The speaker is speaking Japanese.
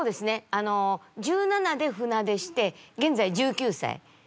あの１７で船出して現在１９歳なんですね。